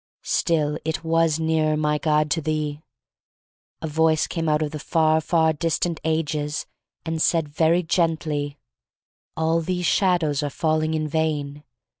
Still it was nearer, my God, to thee. A voice came out of the far, far dis tant ages and said very gently: "All these shadows are falling in vain.